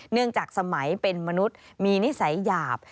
จากสมัยเป็นมนุษย์มีนิสัยหยาบ